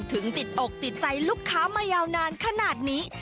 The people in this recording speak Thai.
ถึงติดอกติดใจลูกค้ามายาวนานขนาดนี้